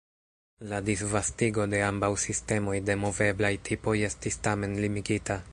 La disvastigo de ambaŭ sistemoj de moveblaj tipoj estis, tamen, limigita.